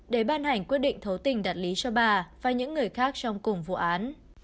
để ban hành quyết định thấu tình đạt lý cho bà và những người khác trong cùng vụ án